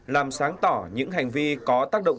làm sáng tỏ những hành vi có tác động